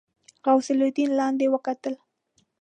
غوث الدين لاندې وکتل.